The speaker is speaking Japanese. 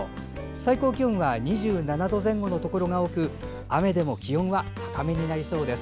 最高気温は２７度前後のところが多く雨でも気温は高めになりそうです。